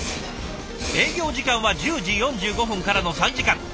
営業時間は１０時４５分からの３時間。